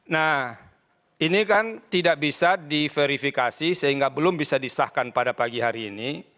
nah ini kan tidak bisa diverifikasi sehingga belum bisa disahkan pada pagi hari ini